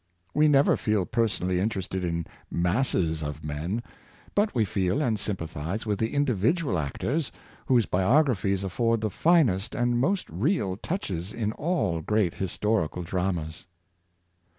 We never feel personally interested in masses of men; but we feel and sympathize with the individual actors, whose biographies afford the finest and most real touches in all great historical dramas.